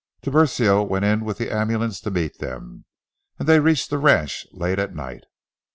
Tiburcio went in with the ambulance to meet them, and they reached the ranch late at night.